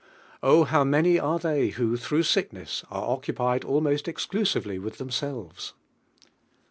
O how many are they who. through sickness, are occupied almost ex clusively with themselves!